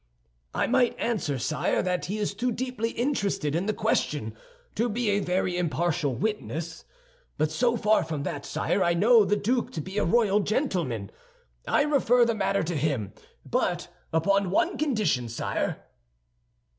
"I might answer, sire, that he is too deeply interested in the question to be a very impartial witness; but so far from that, sire, I know the duke to be a royal gentleman, and I refer the matter to him—but upon one condition, sire."